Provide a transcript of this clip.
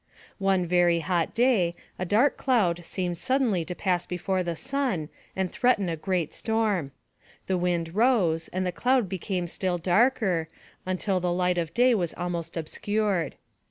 One very hot day, a dark cloud seemed suddenly to pass before the sun and threaten a great storm. The wind rose, and the cloud became still darker, until the light of day was almost obscured.